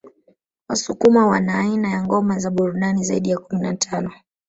Wasukuma wana aina ya ngoma za burudani zaidi ya kumi na tano